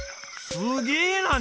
すげえな！